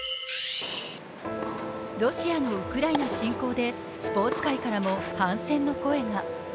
ロシアのウクライナ侵攻でスポーツ界からも反戦の声が。